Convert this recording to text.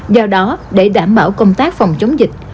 do đó để đảm bảo công tác phòng chống dịch